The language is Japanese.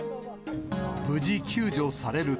無事、救助されると。